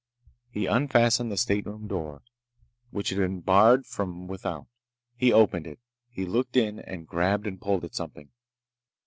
He unfastened the stateroom door, which had been barred from without. He opened it. He looked in, and grabbed, and pulled at something.